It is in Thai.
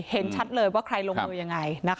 เห็นชัดเลยว่าใครลงมือยังไง